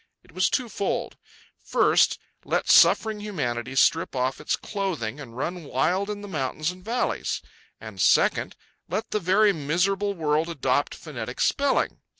It was twofold. First, let suffering humanity strip off its clothing and run wild in the mountains and valleys; and, second, let the very miserable world adopt phonetic spelling.